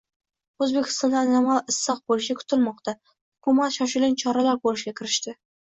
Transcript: O‘zbekistonda anomal issiq bo‘lishi kutilmoqda. Hukumat shoshilinch choralar ko‘rishga kirishdi